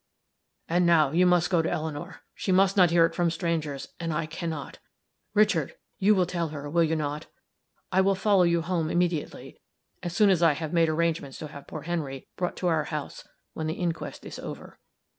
"And now you must go to Eleanor. She must not hear it from strangers; and I can not Richard! you will tell her, will you not? I will follow you home immediately; as soon as I have made arrangements to have poor Henry brought to our house when the inquest is over."